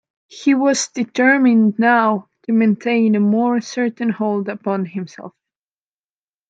He was determined now to maintain a more certain hold upon himself.